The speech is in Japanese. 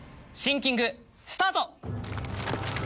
シンキングスタート！